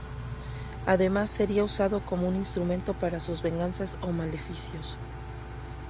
Además sería usado como un instrumento para sus venganzas o maleficios.